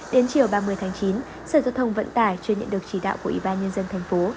đến chiều ba mươi tháng chín sở giao thông vận tải chưa nhận được chỉ đạo của ủy ban nhân dân thành phố